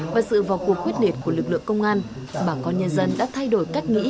và sự vào cuộc quyết liệt của lực lượng công an bà con nhân dân đã thay đổi cách nghĩ